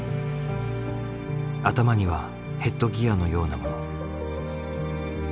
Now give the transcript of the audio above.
頭にはヘッドギアのようなもの。